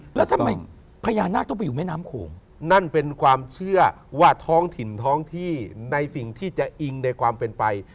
แล้วทำไมพญานาคต้องไปอยู่แม่น้ำโขงนั่นเป็นความเชื่อว่าท้องถิ่นท้องที่ในสิ่งที่จะอิงในความเป็นไป